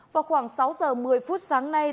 vào khoảng sáu h một mươi sáng nay